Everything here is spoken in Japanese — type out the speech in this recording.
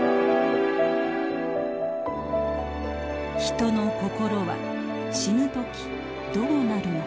人の心は死ぬ時どうなるのか。